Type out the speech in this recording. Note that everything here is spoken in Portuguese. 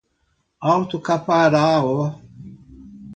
Alto Caparaó